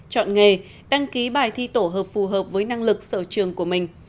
chọn nghề đăng ký bài thi tổ hợp phù hợp với năng lực sở trường của mình